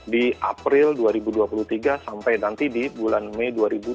di april dua ribu dua puluh tiga sampai nanti di bulan mei dua ribu dua puluh